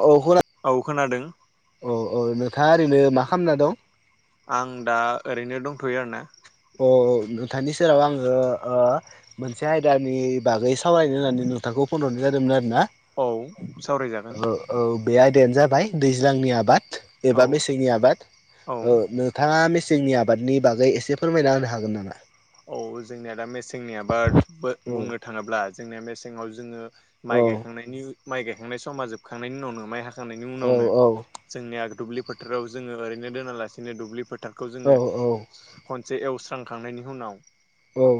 औ [unintelligible] औ औ नोंथाङा ओरैनो मा खालामना दं आं दा ओरैनो दंथ'यो आरोना अ नोंथांनि सेराव आङो ओ मोनसे आयदानि बागै सावरायनो होननानै नोंथांखौ फन हरनाय जादोंमोन आरो ना सावरायजागोन औ औ बे नो जाबाय दैज्लांनि आबाद औ एबा मेसेंनि आबाद औ नोंथाङा म जोंनि आबादनि बागै एसे फोरमायना होनो हागोन नामा औ जोंनिया दा मेसेंनि आबाद औ बुंनो थाङोब्ला जोंनिया मेसेङाव जोङो औ माइ गायखांनायनि माइ गायखांनाय समा जोबखांनायनि उनावनो माइ हाख खांनायनि औ उनावनो जोंनि आ दुब्लि फोथाराव जोङो ओरैनो दोनालासिनो दुब्लि फोथार फोटारखौ औ जोङो खनसे एवस्रांखांनायनि उनाव औ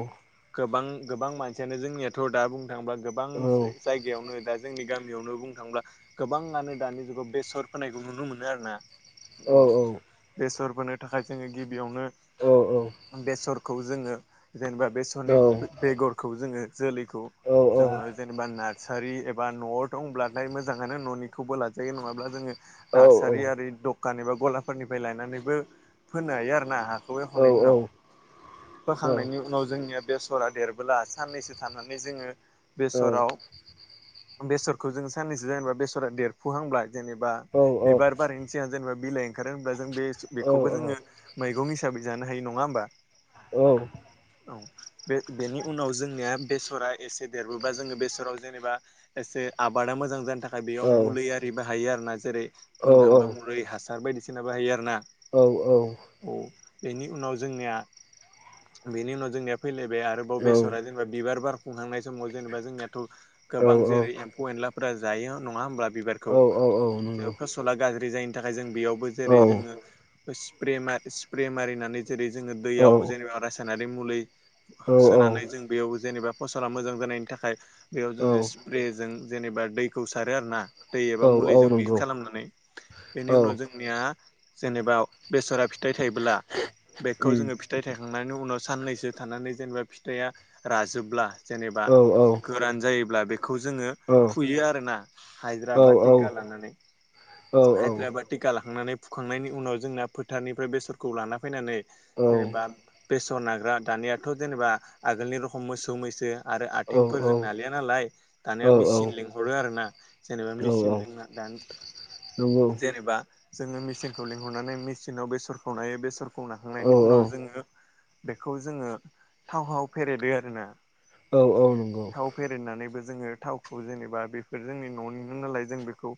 गोबां गोबां मानसियानो जोंनियाथ' दा बुंनो थाङोब्ला गोबां औ जायगायावनो दा जोंनि गामि यावनो बुंनो थाङोब्ला गोबाङानो दानि जुगाव बेसर फोनायखौ नुनो मोनो आरो ना औ बेसर फोनो थाखाय जोङो गिबियावनो औ बेसरखौ जोङो जेनेबा बेसरनि बेगरखौ जोङो जोलैखौ जोङो औ जेनेबा नार सारि एबा न'आव दंब्लाथाय मोजाङानो न'निखौबो लाजायो नङाब्ला जोङो नार्सारि आरि दखान एबा गलाफोरनिफ्राय लायनानैबो फोनो हायो आरो ना हा खौ एवखनायनि उनाव फोखांनायनि उनाव जोंनिया बेसरा देरबोला साननैसो थानानै जोङो बेसराव बेसरखौ जों साननैसो जेनेबा बेसरा देरफुहांब्ला जेनेबा बिबार बारनायनि सिगां जेनेबा बिलाइ ओंखारो होनब्ला जों बे बेखौबो जोङो मैगं हिसाबै जानो हायो नङा होमबा औ औ बे बेनि उनाव जोंनिया बेसरा एसे देरबोबा जोङो बेसराव जेनेबा एसे आब- बादा मोजां जानो थाखाय बेयाव औ मुलै आरि बाहायो आरो ना जेरै औ बुंनो थाङोबा मुलि हासार बायदिसिना बाहायो आरोना औ औ बेनि उनाव जोंनिया बेनि उनाव जोंनिया फैलायबाय आरोबाव बेसरा जेनेबा बिबार बार- फुहांनाय समाव जेनेबा जोंनियाथ' औ गोबां जेरै एम्फौ एनलाफोरा जायो नङा होमबा औ बिबारखौ औ नंगौ फसला गाज्रि जायिनि थाखाय जों बेयावबो औ नंगौ औ जेरै उम जोङो स्प्रे मा स्प्रे मारिनानै जेरै जोङो औ दैयाव जेनेबा रासायनारि मुलै औ सोनानै जों बेयाव जेनेबा फसला मोजां जानायनि थाखाय बेयाव औ जोङो स्प्रे जों जेनेबा दैखौ सारो आरो ना दै औ एबा औ मुलैजों मिक्स नंगौ खालामनानै बेनि औ उनाव जोंनिया जेनेबा बेसरा फिथाइ थाइबोला औ बेखौ जोङो नंगौ फिथाइ थायखांनाय- नि उनाव साननैसो थानानै जेनेबा फिथाइआ राजोबब्ला जेनेबा औ गोरान जायोब्ला बेखौ खौ जोङो फुयो आरोना हाजिरा औ नंगौ औ बा नंगौ औ टिका लानानै औ औ नंगौ औ हाजिरा बा टिका ला- खांनानै फुखांनायनि उनाव जोंना फोथारनिफ्राय बेसरखौ लाना फैनानै जेनेबा बेसर नाग्रा दानियाथ' जेनेबा आगोलनि रखम मोसौ मैसो आरो औ औ नंगौ औ आथिंफोर जों नालिया नालाय दानिया औ मेचिन लिंहरो आरो ना जेनेबा मेचिन जोंना दानि जेनेबा जोङो मेसिनखौ लिंहरनानै मेचिनाव बेसरखौ नायो बेसरखौ नाखांनायनि उनाव जोङो बेखौ जोङो थावहाव फेरेदो आरो ना औ औ नंगौ जोङो थावखौ जेनेबा बेफोर जोंनि न'नि नो नालाय जों बेखौ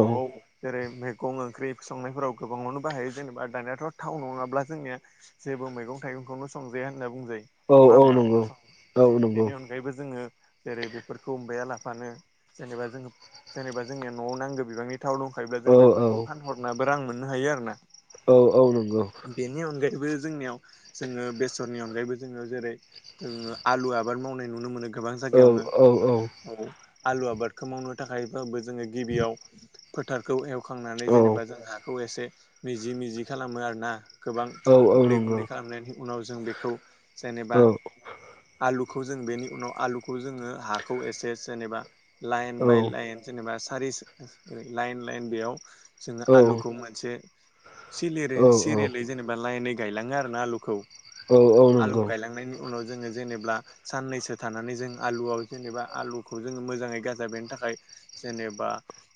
न'आव जेरै मै- गं ओंख्रि संनायफोराव गोबाङावनो बाहायो जेनेबा दानियाथ' थाव नङाब्ला जोंनिया जेबो मैगं थाइगंखौनो संजाया होनना बुंजायो नङा होमबा बेनि अनगायैबो जोङो जेरै बेफोरखौ अमबाया लाफानो जेनेबा जों जेनेबा जोंनि न'आव नांगौ बिबांनि थाव दंखायोब्ला जों बेफोरखौ फानहरनाबो रां मोननो हायो आरो ना बेनि अनगायैबो जोंनियाव जोङो बेसरनि अनगायैबो जोङो जेरै जों आलु आबाद मावनाय नुनो मोनो गोबां जायगायावनो औ आलु आबादखौ मावनो थाखायबाबो जोङो गिबियाव फोथारखौ एव- खांनानै जेनेबा जों हाखौ एसे मिजि मिजि खालामो आरोना गोबां गुन्दै गुन्दै खालामनायनि उनाव जों बेखौ जेनेबा आलु खौ जों बेनि उनाव आलुखौ जोङो हाखौ एसे एसे जेनेबा लायेन बाय लायेन जेनेबा सारि ओ लाइन लाइन बेयाव जोङो आलुखौ मोनसे सिलिरै सिरियलै जेनेबा लाइनै गायलाङो आरो ना आलुखौ औ औ आलु नंगौ गायलांनायनि उनाव जोङो जेनेब्ला साननैसो थानानै जों आलुआव जेनेबा आलुखौ जोङो मोजाङै गाजा बेरनो थाखाय जेनेबा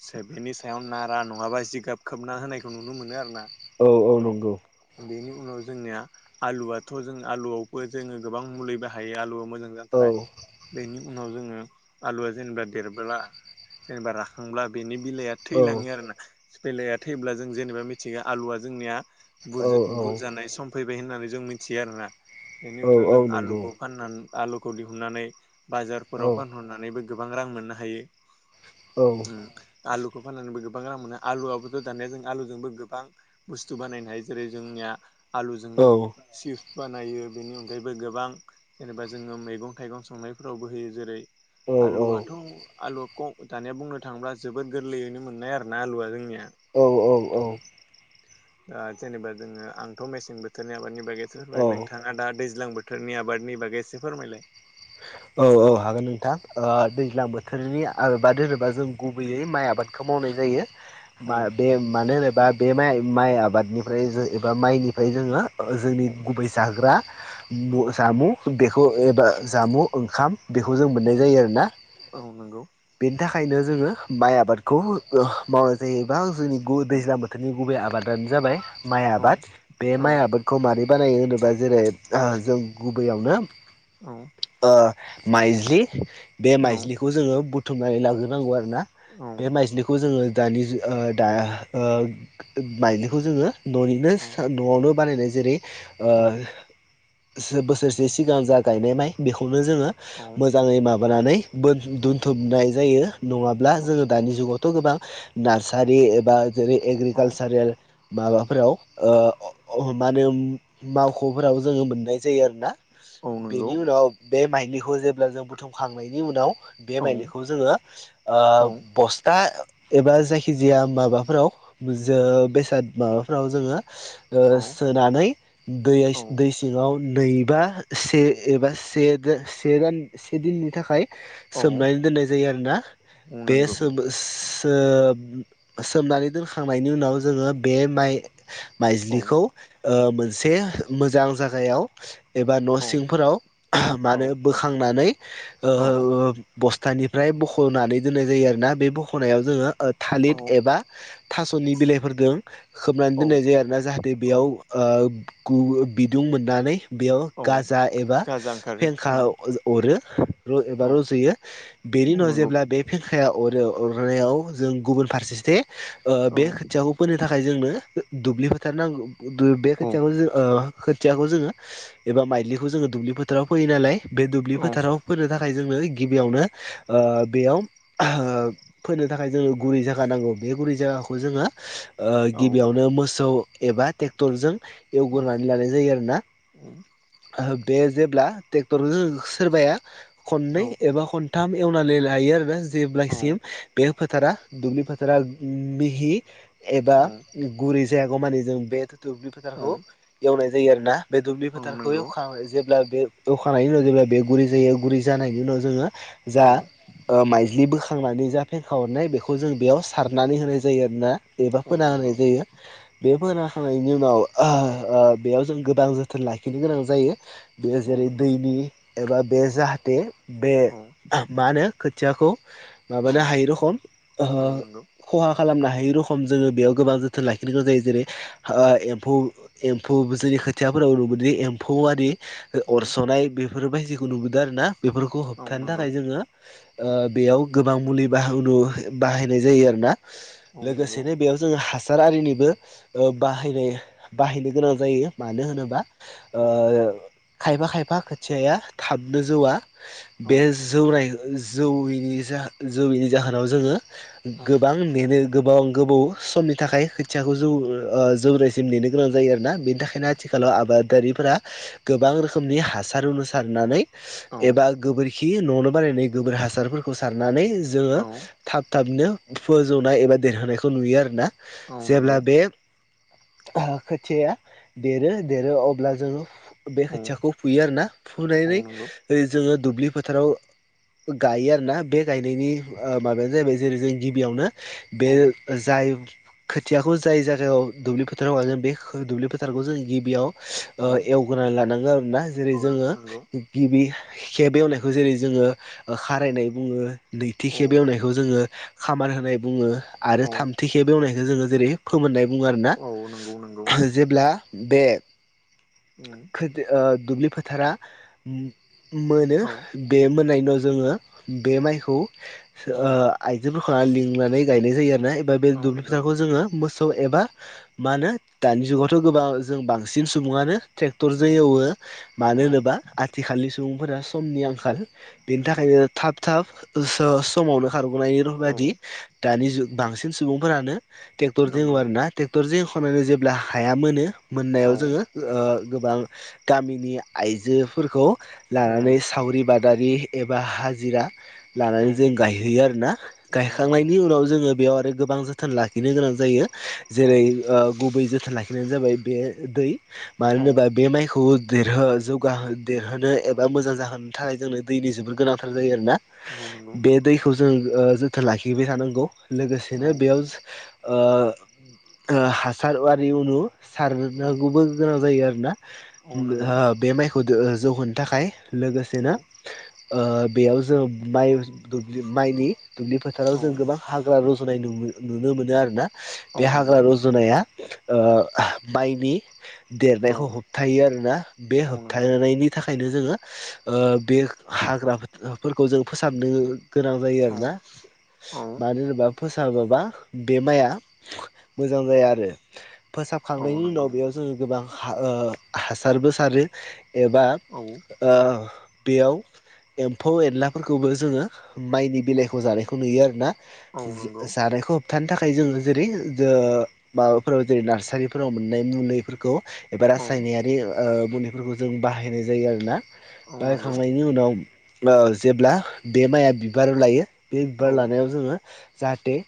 से बेनि सायाव नारा नङाबा जिगाब खोबना होनायखौ नुनो मोनो आरो ना औ औ नंगौ उनाव जोंनिया आलुआथ' जों आलुआवबो जोङो गोबां मुलै बाहायो आलुआव मोजां जानो औ थाखाय बेनि उनाव जोङो आलुआ जेनेबा देरबोला जेनेबा राखांब्ला बेनि बिलाइआ औ थैलाङो आरोना बिलाइया थैब्ला जों जेनेबा मिथिगो आलुआ जोंनिया औ बुरजा बुरजानाय सम फैबाय होननानै जों मिनथियो आरोना बेनि औ उनाव औ जों नंगौ औ आलुखौ फानना आलुखौ दिहुननानै बाजारफोराव औ फानहरनानैबो गोबां रां मोननो हायो औ उम आलु खौ फाननानैबो गोबां रां मोनो आलुआबोथ' दानिया जों आलुजोंबो गोबां बुस्थु बानायनो हायो जेरै जोंनिया औ आलुजोंनो औ सिपस बानायो बेनि अनगायैबो गोबां जेनेबा जोङो मैगं थाइगं संनायफोरावबो होयो जेरै औ आलुआथ' आलुवआ खम दानिया बुंनो थाङोब्ला जोबोद गोरलैयैनो मोननाय आरोना आलुवआ जोंनिया उम दा जेनेबा जोङो आंथ' मेसें बोथोरनि आबादनि बागै औ फोरमायबाय नोंथाङा दा दैज्लां बोथोरनि आबादनि बागै एसे फोरमायलाय [inaudible] औ औ हागोन नोंथां ओ दैज्लां बोथोरनि आबाद होनोबा जों गुबैयै माइ आबादखौ मावनाय जायो औ मा बे मानो होनोबा बे माइ माइ आबादनिफ्राय जो एबा माइनिफ्राय जोङो जोंनि औ गुबै जाग्रा औ मु जामु बेखौ एबा जामु ओंखाम बेखौ जों औ मोननाय जायो आरोना औ नंगौ बेनि थाखाय खायनो जोङो माइ आबादखौ ओ मावनाय जायोबा जोंनि गु औ दैज्लां बोथोरनि गुबै आबाद आबादानो जाबाय माइ आबाद बे औ माइ आबादखौ मारै बानायो होनोबा जेरै ओ जों गुबैयावनो औ ओ माइज्लि बे औ माइज्लिखौ जोङो बुथुमनानै लाग्रोनांगौ आरो आरोना औ बे माइजलिखौ जोङो दानि जु ओ दा ओ माइजलिखौ जोङो न'निनो न'आवनो बानायनाय जेरै ओ बोसोरसे सिगां जा गायनाय माइ बेखौनो जोङो मोजाङै माबानानै बोन औ दोनथुमनाय जायो नङाब्ला औ जोङो दानि जुगाव थ' गोबां नार्सारि एबा जेरै औ एग्रिकालसारेल माबा फोराव ओ मा होनो मावख'फोराव जोङो मोननाय जायो आरो ना औ नंगौ बेनि उनाव बे माइलिखौ जे- ब्ला जों बुथुमखांनायनि उनाव बे औ माइलिखौ जोङो ओ औ बस्था एबा जायखिजाया माबाफोराव जो बेसाद माबाफोराव जोङो औ ओ सोनानै दै औ दै सिङाव नैबा से एबा से से दान से दिननि थाखाय औ सोमनानै दोननाय जायो आरोना औ बे नंगौ सोम- ओ सोमनानै दोनखांनायनि उनाव जोङो बे माइ औ माइज्लिखौ ओ मोनसे मोजां जागायाव एबा न' औ सिंफोराव औ माहोनो बोखांनानै औ ओ बस्थानिफ्राय बख'नानै दोननाय जायो आरोना बे बख'नायाव जोङो ओ थालिद एबा थास'नि बिलाइफोरदों खोबनानै औ दोननाय जायो आरोना जाहाथे औ बेयाव ओ गु बिदुं मोननानै बेयाव औ गाजा एबा गाजा ओंखारो फेंखा औ अरो र औ एबा रज'यो बेनि औ उनाव नंगौ जेब्ला बे फें- खाया अरो अरनायाव जों गुबुन फारसेथि ओ औ बे खोथियाखौ फोनो थाखाय जोंनो दुब्लि फोथार नांगौ दु बे औ खोथियाखौ जों ओ खोथियाखौ जोङो एबा माइलिखौ जोङो दुब्लि फोथाराव फोयो नालाय बे दुब्लि औ फोथाराव फोनो थाखाय थाखाय जोङो गिबियावनो बेयाव फैनो थाखाय जोङो गुरै जायगा नांगौ बे गुरै जायगाखौ जोङो औ गिबियावनो मोसौ एबा ट्रेक्टरजों एवगोरनानै लानाय जायो आरोना बे जे- ब्ला ट्रेक्टरजों सोरबाया औ खननै एबा खनथाम एवनानै लायो आरोना औ जेब्लायसिम बे फोथारा दुब्लि फोथारा मिहि एबा गुरै जायागौमानि जों बे थुब्लि फोथारखौ एवनाय जायो आरो ना बे दुब्लि फोथारखौ नंगौ एवखां जेब्ला बे एवखांनायनि उनाव जेब्ला बे गुरै जायो गुरै जानायनि उनाव जोङो जा औ औ ओ माइज्लि बोखांनानै जा फेंखा हरनाय बेखौ जों बेयाव सारनानै होनाय जायो आरोना एबा औ फोना नंगौ होनाय जायो बे फोना होखांनायनि उनाव ओ बेयाव जों गोबां जोथोन लाखिनो गोनां जायो बे औ जेरै नंगौ दैनि एबा बे जाहाथे बे औ मा होनो खोथियाखौ औ माबानो हायै रखम ओ औ नंगौ खहा खालामनो हायै रखम जोङो बेयाव गोबां जोथोन लाखिनो गोनां जायो जेरै ओ एमफौ एम्फौ जोंनि खोथियाफोर नुनो मोनोदि एम्फौ आरि औ अरस'नाय बेफोरबायदिखौ नुबोदों आरोना बेफोरखौ औ होबथानो थाखाय नंगौ जोङो ओ बेयाव गोबां मुलि बाहु बाहायनाय जायो आरोना औ नंगौ औ लोगोसेनो बेयाव जोङो हासा हासार आरिनिबो बाहायनाय बाहायनो गोनां जायो मानो होनोबा ओ खायफा खायफा खोथियाया थाबनो जौआ औ बे जौनाय जौयैनि जौयैनि जाहोनाव जोङो गोबां नेनो गोबां गोबाव समनि थाखाय खोथियाखौ जौ जौनायसिम नेनो गोनां जायो आरोना बेनि थाखाय बेखायनो औ आथिखालाव आबादारिफोरा गोबां रोखोमनि हासार उनाव सारनानै औ औ एबा गोबोरखि खि न'वावनो बानायायनाय गोबोर हासारफोरखौ सारनानै जोङो औ थाब थाबनो फोजौनाय एबा देरहोनायखौ नुयो आरोना औ जेब्ला नंगौ बे खोथिया देरो देरो अब्ला जोङो बे औ खोथियाखौ फुयो आरोना औ फुनानै नंगौ ओ जोङो दुब्लि फोथाराव गायो आरोना बे गायनायनि ओ माबायानो जाहैबाय जेरै जों गिबियावनो बे औ जाय खोथियाखौ जाय जागायाव दुब्लि फोथाराव गायगोन बे दुब्लि फोथारखौ जों गिबियाव ओ औ एवग्रोनानै लानांगौ आरोना जेरै औ जोङो नंगौ गिबि खेब एवनायखौ जेरै जोङो खारायनाय बुङो नैथि औ खेब एवनायखौ जोङो खामार होनाय बुङो आरो औ थामथि खेब एवनायखौ जोङो जेरै फोमोननाय बुङो आरोना औ नंगौ नंगौ जेब्ला बे उम खोथि ओ दुब्लि फोथारा मोनो औ बे मोननायनि उनाव जोङो बे माइखौ औ ओ आइजोफोरखौ लिंनानै गायनाय जायो आरो नाय एबा बे औ दुब्लि नंगौ फोथारखौ जोङो मोसौ एबा मा होनो दानि जुगावथ' गोबां जों बांसिन सुबुङानो ट्रेक्टर औ जो एवो मानो औ होनोब्ला आथिखालनि सुबुंफोरा समनि आंखाल बेनि उम थाखायनो थाब थाब ओ स समावनो खारग'नायनि र औ बायदि दानि जुग बांसिन सुबुंफोरानो ट्रेक्टर जो एवो नंगौ आरोना ना ट्रेक्टर एवखांनानै जेब्ला हाया मोनो औ मोननायाव औ जोङो ओ गोबां गामिनि आइजोफोरखौ लानानै सावरि बादारि एबा हाजिरा औ लानानै जों गायहैयो आरोना औ नंगौ गायखांनायनि उनाव जोङो बेयाव आरो गोबां जोथोन लाखिनो गोनां जायो औ जेरै ओ गुबै जोथोन लाखिनायानो जाबाय बे दै मानो औ होनोबा बे माइखौ देरहो जौगा देरहोनो एबा मोजां जाहोनो थाखाय जोंनो दैनि जोबद गोनांथार जायो आरोना औ नंगौ बे दैखौ जों जोथोन लाखिबाय थानांगौ औ लोगोसेनो बेयाव ओ हासार आरि उनु औ सारनांगौबो गोनां जायो आरोना औ नंगौ औ नंगौ बे माइखौ जौहोनो थाखाय औ नंगौ औ लोगोसेनो बेयाव जोङो माइ द्लि माइनि दुब्लि फोथाराव औ जों गोबां हाग्रा रजुनाय नु नुनो मोनो आरो ना औ बे हाग्रा नंगौ रजुनाया माइनि देरनायखौ होब थायो आरोना बे औ होबथानायनि थाखाय थाखायनो जोङो बे हाग्राफोरखौ जों फोसाबनो गोनां जायो आरोना मानो होनोबा फोसाबोबा बे माइआ मोजां जाया आरो औ फोसाबखांनायनि उनाव नंगौ बेयाव जोङो गोबां हासारबो सारो एबा औ नंगौ औ बेयाव एम्फौ एनलाफोरखौबो जोङो माइनि बेलाइखौ जानायखौ नुयो आरोना जानायखौ होबथानो थाखाय जोङो जेरै माबाफोराव जेरै नार्सारिफोराव मोननाय नुनायफोरखौ रासायनायारि मुलिफोरखौ जों बाहायनाय जायो आरोना औ बारायखांनायनि उनाव जेब्ला बे माइआ बिबाराव लायो बे बिबार लानायाव जोङो जाहाथे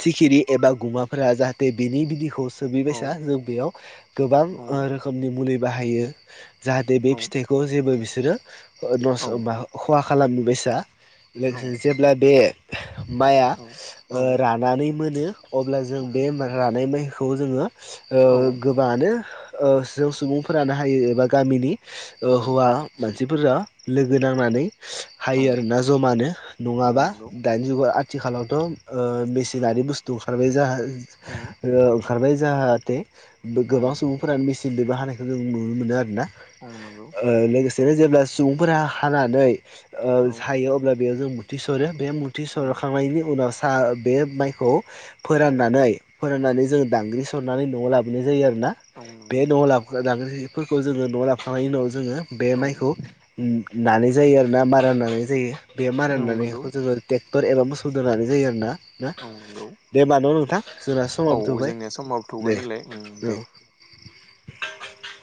सिखिरि एबा गुमाफोरा जाहाथे बिनि बिदिखौ सोबिबायसा जों बेयाव गोबां रोखोमनि मुलि बाहायो जाहाथे औ बे फिथाइखौ जेबो बिसोरो औ खहा खालामनो बसा औ लोगोसे जेब्ला बे माइआ औ औ रानानै मोनो अब्ला जों बे रानाय माइखौ जोङो गोबाङानो जों सुबुंफोरानो हायो एबा गामिनि औ हौवा मानसिफोरा लोगो औ नांनानै औ हायो आरोना जमानो औ नङाबा नंगौ दानि जुगाव आ आथिखालावथ' औ मेसिनारि बुस्थु ओंखारबाय जा औ नंगौ ओंखारबाय जाहाथे औ गोबां सुबुंफोरानो मेचनजोंबो हानायखौ जों नुनो मोनो आरोना उम नंगौ जेरै जेब्ला सुबुंफोरा हानानै औ सायो अब्ला बेयाव जों मुथिसरो बे मुथि सरखांनायनि उनाव सा बे माइखौ फोराननानै फोर नानै जोंङो दांग्रि सरनानै न'आव लाबोनाय जायो आरोना बे नंगौ न'आव लाबोनानै दांग्रि फोरखौ जोङो न' लाखांनायनि उनाव जोङो बे औ माइखौ नानाय जायो आरो ना मारा लानाय जायो बे मारा नानायखौ जोङो ट्रेक्टर एबा मोसौजों लानाय जायो आरो ना नंगौ दे होमबा न नोंथां जोंना औ समावबोथ' जोबबाय जोंनिया समाबो थौबाय दे नालाय उम दे औ [inaudible]